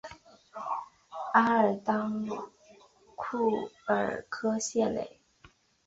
阿尔当库尔科谢雷。